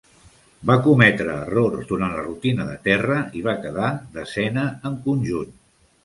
Va cometre errors durant la rutina de terra i va quedar desena en conjunt.